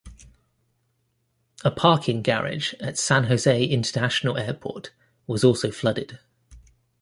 A parking garage at San Jose International Airport was also flooded.